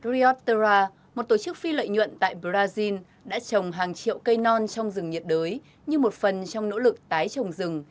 reort terra một tổ chức phi lợi nhuận tại brazil đã trồng hàng triệu cây non trong rừng nhiệt đới như một phần trong nỗ lực tái trồng rừng